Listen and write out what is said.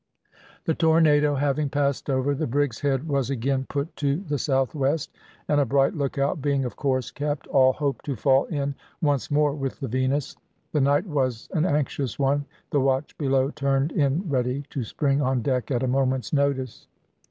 The tornado having passed over, the brig's head was again put to the south west, and a bright lookout being of course kept, all hoped to fall in once more with the Venus. The night was an anxious one; the watch below turned in ready to spring on deck at a moment's notice.